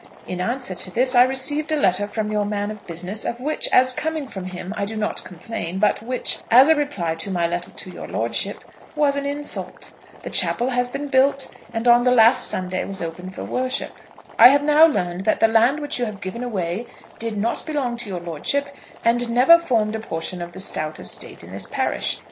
In answer to this I received a letter from your man of business, of which, as coming from him, I do not complain, but which, as a reply to my letter to your lordship, was an insult. The chapel has been built, and on last Sunday was opened for worship. I have now learned that the land which you have given away did not belong to your lordship, and never formed a portion of the Stowte estate in this parish.